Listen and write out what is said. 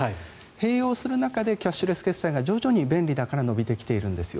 併用する中でキャッシュレス決済が徐々に便利だから伸びてきているんですよ。